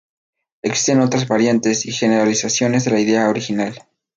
Existen otras variantes y generalizaciones de la idea original.